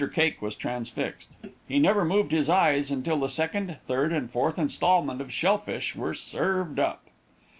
Cake was transfixed; he never moved his eyes until the second, third and fourth installment of shell fish were served up.